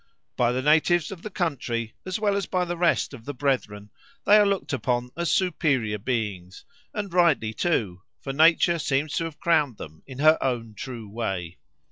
By the natives of the country, as well as by the rest of the brethren, they are looked upon as superior beings; and rightly too, for Nature seems to have crowned them in her own true way.